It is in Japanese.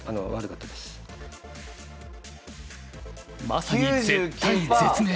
まさに絶対絶命！